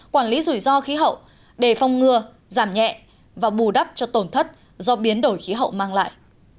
quản lý rủi ro khí hậu để phong ngừa giảm nhẹ và bù đắp cho tổn thất do biến đổi khí hậu mang lại